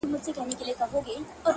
نیک اخلاق د انسان اصلي ښکلا ده